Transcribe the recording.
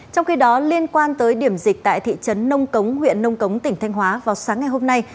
trong khi đó liên quan tới điểm dịch tại thị trấn nông cống huyện nông cống tỉnh thanh hóa vào sáng ngày hôm nay